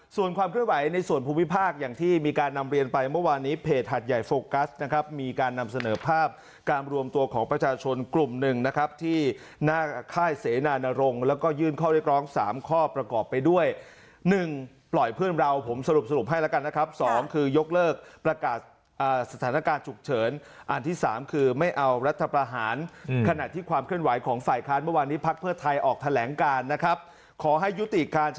ส่วนความเคลื่อนไหวในส่วนภูมิภาคที่มีการนำเรียนไปเมื่อวานนี้เพจฮาดใหญ่โฟกัสมีการนำเสนอภาพการรวมตัวในกลุ่มนึงที่หน้าค่ายเสนานรงก์และยื่นข้อด้วยกร้องสามข้อประกอบไปด้วย๑ปล่อยเพื่อนเรา๒ยกเลิกประกาศสถานการณ์ถูกเฉิน๓ไม่เอารัฐพราหาร